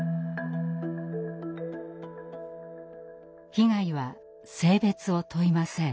被害は性別を問いません。